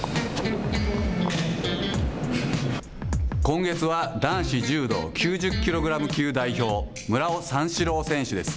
今月は男子柔道９０キログラム級代表、村尾三四郎選手です。